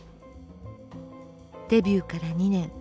デビューから２年。